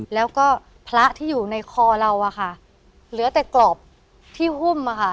แล้วก็พระที่อยู่ในคอเราอะค่ะเหลือแต่กรอบที่หุ้มอะค่ะ